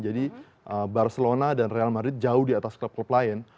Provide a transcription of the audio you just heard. jadi barcelona dan real madrid jauh di atas klub klub lain